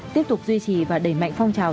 tiếp tục duy trì và đẩy mạnh phong trào